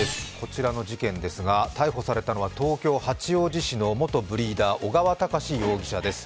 こちらの事件ですが、逮捕されたのは東京・八王子市の元ブリーダー、尾川隆容疑者です